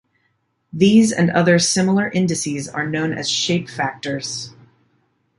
These and other similar indices are known as shape factors.